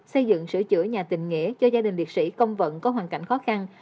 xây dựng sửa chữa nhà tình nghĩa cho gia đình liệt sĩ công vận có hoàn cảnh khó khăn